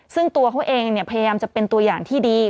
ซึ่งตัวเขาเองพยายามจะเป็นตัวอย่างที่ดี